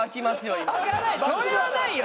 それはないよ！